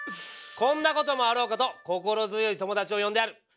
こんなこともあろうかと心強い友達を呼んである。